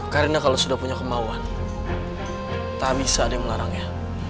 karena kalau sudah punya kemauan tak bisa ada yang melarangnya